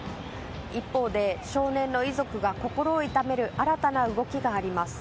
一方で、少年の遺族が心を痛める新たな動きがあります。